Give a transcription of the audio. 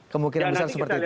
kemungkinan besar seperti itu